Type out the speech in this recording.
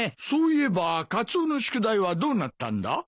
そういえばカツオの宿題はどうなったんだ？